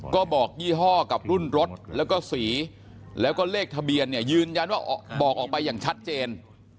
ก็บอกยี่ห้อกับรุ่นรถแล้วก็สีแล้วก็เลขทะเบียนเนี่ยยืนยันว่าบอกออกไปอย่างชัดเจน